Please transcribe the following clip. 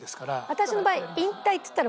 私の場合。